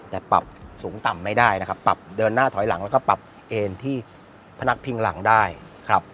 แต่ปรับสูงต่ำไม่ได้นะครับปรับเดินหน้าถอยหลังแล้วก็ปรับเกณฑ์ที่พนักพิงหลังได้ครับ